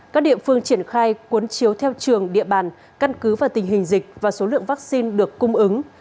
các địa phương triển khai cuốn chiếu theo trường địa bàn căn cứ và tình hình dịch và số lượng vắc xin được cung ứng